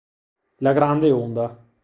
La grande onda